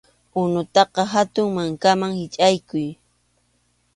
Unutaqa hatun mankaman hichʼaykuy.